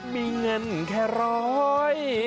มีเงินแค่ร้อย